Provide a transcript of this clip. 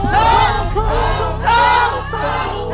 หัวครับ